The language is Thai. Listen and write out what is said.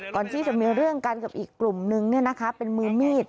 ก่อนที่จะมีเรื่องกันกับอีกกลุ่มนึงเป็นมือมีด